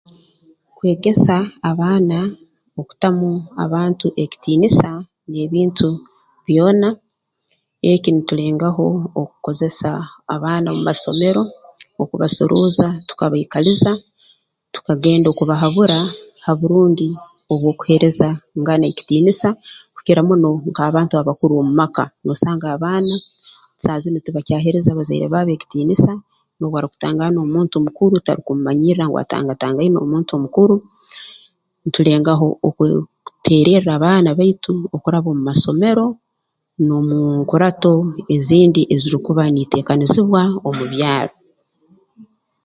Kwegesa abaana okutamu abantu ekitiinisa n'ebintu byona eki nikirengaho okukozesa abaana omu masomero okubasorooza tukabaikaliza tukagenda okubahabura ha burungi obw'okuheereza ngana ekitiinisa kukira muno nk'abantu abakuru omu maka noosanga abaana saaha zinu tibakyaheereza bazaire baabo ekitiinisa noobu arukutangaana omuntu mukuru tarukumumanyirra ngu atangatangaine omuntu omukuru ntulengaho okwe kuteererra abaana baitu okuraba mu masomero n'omu nkurato ezindi ezirukuba niiteekanizibwa omu byaro